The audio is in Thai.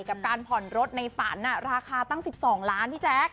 กับการผ่อนรถในฝันราคาตั้ง๑๒ล้านพี่แจ๊ค